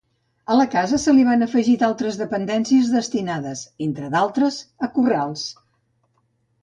A la casa se li van afegir d'altres dependències destinades, entre d'altres, a corrals.